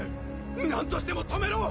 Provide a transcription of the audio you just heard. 何としても止めろ！